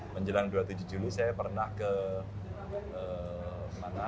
menjelang dua puluh tujuh juli saya pernah ke mana